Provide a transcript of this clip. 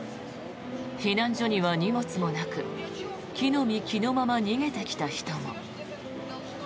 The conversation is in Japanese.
避難所には荷物もなく着の身着のまま逃げてきた人も。